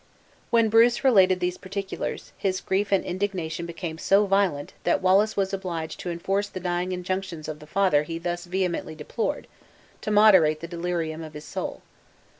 When Bruce related these particulars, his grief and indignation became so violent, that Wallace was obliged to enforce the dying injunctions of the father he thus vehemently deplored, to moderate the delirium of his soul.